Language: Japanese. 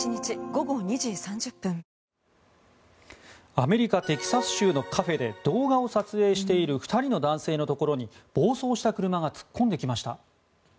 アメリカ・テキサス州のカフェで動画を撮影している２人の男性のところに暴走した車が突っ込んできました。